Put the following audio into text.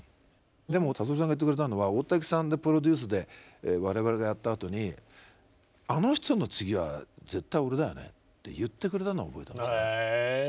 でも達郎さんが言ってくれたのは大滝さんでプロデュースで我々がやったあとにあの人の次は絶対俺だよねって言ってくれたのを覚えてましたね。